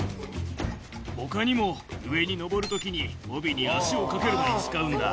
他にも上に登るときに帯に足をかけるのに使うんだ。